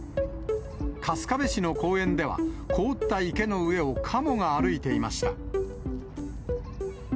春日部市の公園では、凍った池の上をカモが歩いていました。